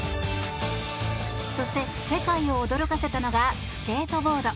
そして、世界を驚かせたのがスケートボード。